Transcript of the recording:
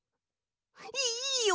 いいよ！